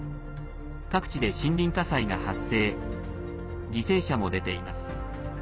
各地で森林火災が発生犠牲者も出ています。